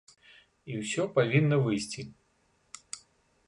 І ўсё павінна выйсці.